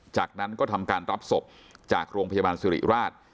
จากนั้นก็ทำการรับศพจากโรงพยาบาลสิริราช